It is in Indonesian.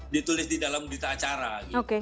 ditulis di dalam berita acara